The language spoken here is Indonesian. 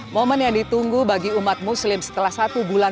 momen yang ditunggu bagi umat muslim setelah satu bulan